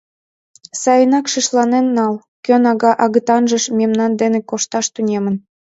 Сайынак шишланен нал, кӧн агытанже мемнан деке кошташ тунемын.